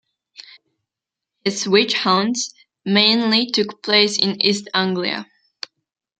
His witch-hunts mainly took place in East Anglia.